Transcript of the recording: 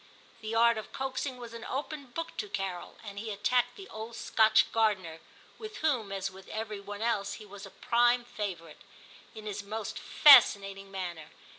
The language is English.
The art of coaxing was an open book to Carol, and he attacked the old Scotch gardener, — with whom, as with every one else, he was a prime favourite, — in his most fascinating manner.